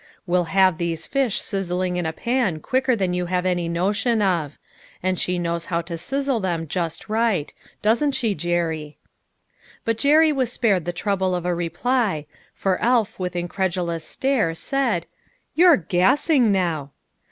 We'll have these fish sizzling in a pan quicker than you have any notion of ; and she knows how to sizzle them just right; doesn't she, Jerry?" But Jerry was spared the trouble of a reply, for Alf with incredulous stare said, "You're gassing now."